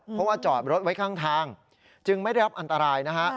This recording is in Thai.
เพราะว่าจอดรถไว้ข้างทางจึงไม่ได้รับอันตรายนะฮะ